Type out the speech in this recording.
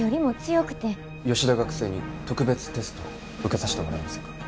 吉田学生に特別テストを受けさしてもらえませんか？